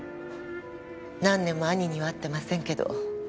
何年も兄には会ってませんけど。